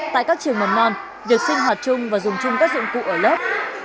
tại các trường mầm non việc sinh hoạt chung và dùng chung các dụng cụ ở lớp